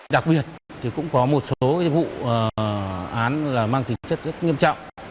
đặc biệt thì cũng có một số vụ án là mang tính chất rất nghiêm trọng